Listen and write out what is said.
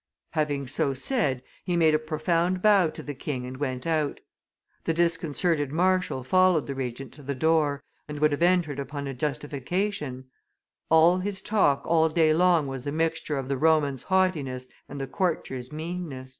Having so said, he made a profound bow to the king and went out. The disconcerted marshal followed the Regent to the door, and would have entered upon a justification; all his talk all day long was a mixture of the Roman's haughtiness and the courtier's meanness."